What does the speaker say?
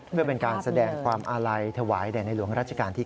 เพื่อเป็นการแสดงความอาลัยถวายแด่ในหลวงรัชกาลที่๙